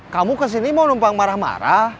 kamu kesini mau numpang marah marah